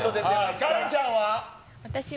カレンちゃんは？